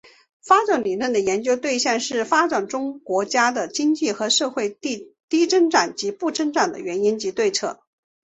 发展理论的研究对象是发展中国家的经济和社会低增长不增长的原因及对策。